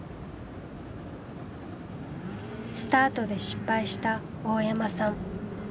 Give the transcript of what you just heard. スタートで失敗した大山さん。